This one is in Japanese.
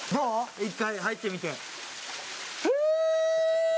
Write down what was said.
１回入ってみて。